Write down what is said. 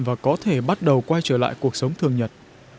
và có thể bắt đầu quay trở lại cuộc sống thường nhật